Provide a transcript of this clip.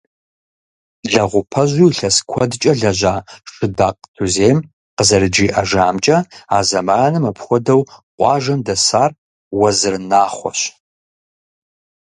Лэгъупэжьу илъэс куэдкӏэ лэжьа Шыдакъ Тузем къызэрыджиӏэжамкӏэ, а зэманым апхуэдэу къуажэм дэсар Уэзыр Нахъуэщ.